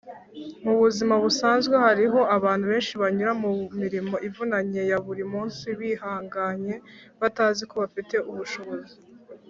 mu buzima busanzwe, hariho abantu benshi banyura mu mirimo ivunanye ya buri munsi bihanganye batazi ko bafite ubushobozi